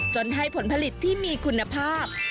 ให้ผลผลิตที่มีคุณภาพ